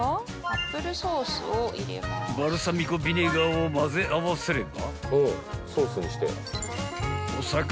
［バルサミコビネガーを混ぜ合わせれば］